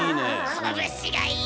こぶしがいい。